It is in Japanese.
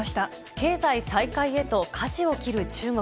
経済再開へとかじを切る中国。